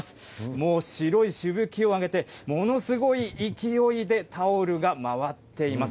もう白いしぶきを上げて、ものすごい勢いタオルが回っています。